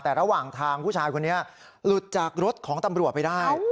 แต่ระหว่างทางผู้ชายคนนี้หลุดจากรถของตำรวจไปได้